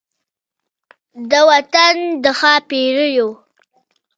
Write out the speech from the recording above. د وطن د ښا پیریو